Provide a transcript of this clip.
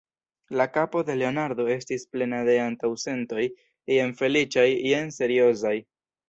La kapo de Leonardo estis plena de antaŭsentoj, jen feliĉaj, jen seriozaj.